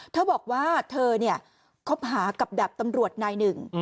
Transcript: เธอบอกว่าเธอเนี่ยคบหากับดาบตำรวจนายหนึ่ง